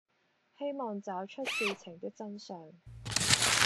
希望找出事情的真相